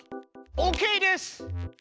オーケーです！